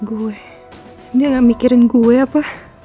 gue ini gak mikirin gue apa